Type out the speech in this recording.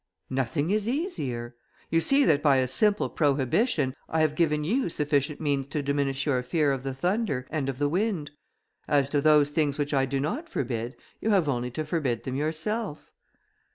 "Nothing is easier. You see that by a simple prohibition, I have given you sufficient means to diminish your fear of the thunder, and of the wind; as to those things which I do not forbid, you have only to forbid them yourself."